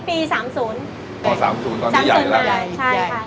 ปี๓๐ค่ะตอนที่ใหญ่แล้ว